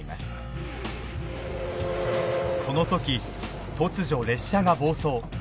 その時突如列車が暴走。